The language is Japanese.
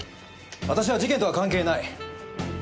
私は事件とは関係ない。